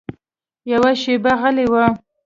يوه شېبه غلى و.